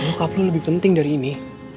loh kap lo lebih penting dari ini